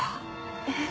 えっ？